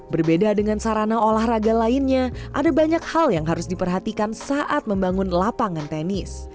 berbeda dengan sarana olahraga lainnya ada banyak hal yang harus diperhatikan saat membangun lapangan tenis